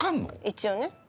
一応ね。